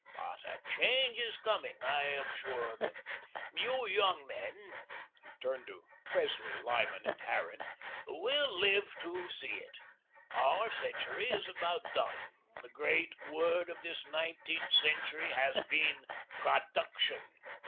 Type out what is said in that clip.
But a change is coming. I am sure of it. You young men," he turned to Presley, Lyman, and Harran, "will live to see it. Our century is about done. The great word of this nineteenth century has been Production.